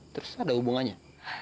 terus ada hubungannya